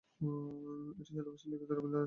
এটি সাধুভাষায় লিখিত রবীন্দ্রনাথের সর্বশেষ উপন্যাস।